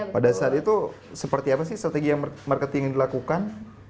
pada saat itu seperti apa sih strategi yang marketing yang dilakukan